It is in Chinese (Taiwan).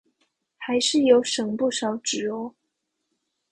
還是有省不少紙喔